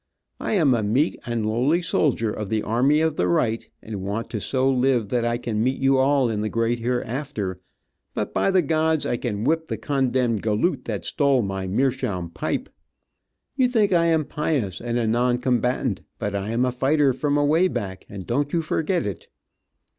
I am a meek and lowly soldier of the army of the right, and want to so live that I can meet you all in the great hereafter, but by the gods I can whip the condemned galoot that stole my meershaum pipe. You think I am pious, and a non combatant, but I am a fighter from away back, and don't you forget it."